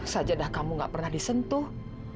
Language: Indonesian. sajadah kamu gak pernah disentuh